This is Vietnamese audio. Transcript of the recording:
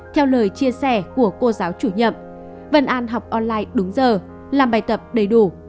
theo lời chia sẻ của cô giáo chủ nhiệm vân an học online đúng giờ làm bài tập đầy đủ